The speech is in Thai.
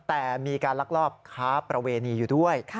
แต่มีการลักลอบค้าประเวณีอยู่ด้วย